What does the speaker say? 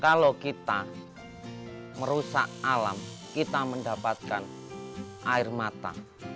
kalau kita merusak alam kita mendapatkan air mata